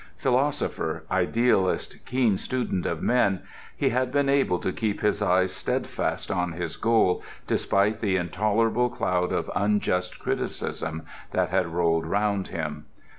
Philosopher, idealist, keen student of men, he had been able to keep his eyes steadfast on his goal despite the intolerable cloud of unjust criticism that had rolled round him.